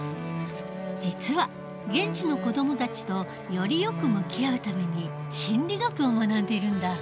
実は現地の子どもたちとよりよく向き合うために心理学を学んでいるんだ。